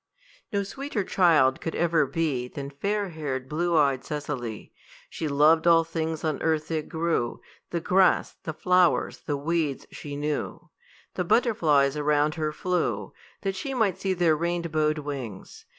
No sweeter child could ever be Than fair haired, blue eyed Cecily. She loved all things on earth that grew; The grass, the flowers, the weeds, she knew; The butterflies around her flew, That she might see their rainbowed wings.